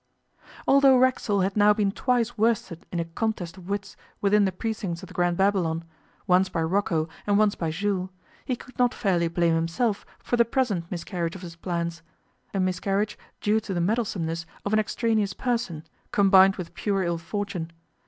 Although Racksole had now been twice worsted in a contest of wits within the precincts of the Grand Babylon, once by Rocco and once by Jules, he could not fairly blame himself for the present miscarriage of his plans a miscarriage due to the meddlesomeness of an extraneous person, combined with pure ill fortune.